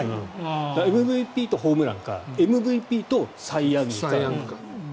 ＭＶＰとホームランかＭＶＰとサイ・ヤングか。